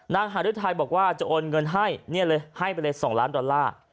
หารุทัยบอกว่าจะโอนเงินให้เนี่ยเลยให้ไปเลย๒ล้านดอลลาร์